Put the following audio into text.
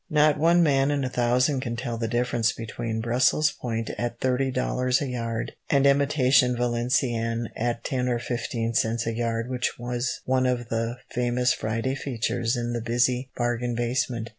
Not one man in a thousand can tell the difference between Brussels point at thirty dollars a yard, and imitation Valenciennes at ten or fifteen cents a yard which was one of the "famous Friday features in the busy bargain basement."